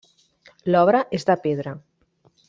L'obra és de pedra.